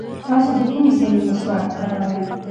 تاسو د کومې سیمې مسواک کاروئ؟